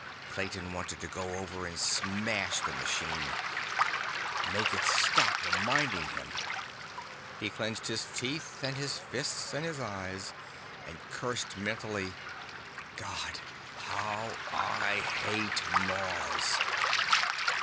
Clayton wanted to go over and smash the machine—make it stop reminding him. He clenched his teeth and his fists and his eyes and cursed mentally. _God, how I hate Mars!